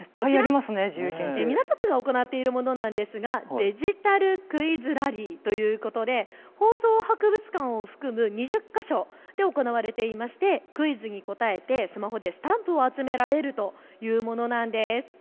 港区が行っているものなんですがデジタルクイズラリーということで放送博物館を含む２０か所で行われていましてクイズに答えてスマホでスタンプを集められるというものなんです。